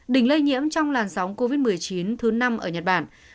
đỉnh lây nhiễm trong làn sóng covid một mươi chín thứ năm ở nhật bản